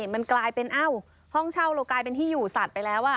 มันกลายเป็นห้องเช่าเรากลายเป็นที่อยู่สัตว์ไปแล้ว